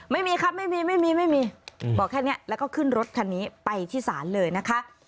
ไม่มีครับไม่มีไม่มีบอกแค่นี้แล้วก็ขึ้นรถคันนี้ไปที่ศาลเลยนะคะ